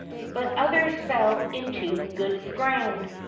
but others fell into good ground."